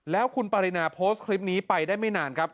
แล้วคุณปรินาโพสต์คลิปนี้ไปได้ไม่นานครับ